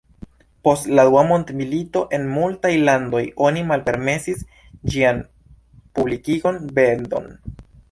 Post la dua mondmilito, en multaj landoj oni malpermesis ĝian publikigon, vendon.